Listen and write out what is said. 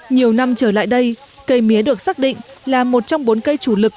nhiều năm trở lại đây cây mía được xác định là một trong bốn cây chủ lực